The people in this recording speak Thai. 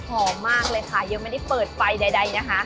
หอมมากเลยค่ะยังไม่ได้เปิดไฟใดนะคะ